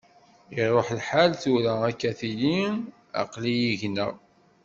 Iruḥ lḥal, tura akka tili aql-iyi gneɣ.